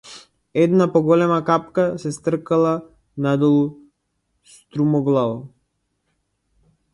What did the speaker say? Една поголема капка се стркала надолу струмоглаво.